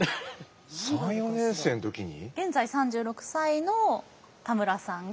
現在３６歳の田村さんが。